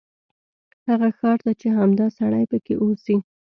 هغه ښار ته چې همدا سړی پکې اوسي.